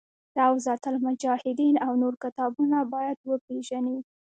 روضة المجاهدین او نور کتابونه باید وپېژني.